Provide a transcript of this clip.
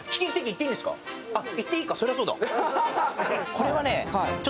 これはね。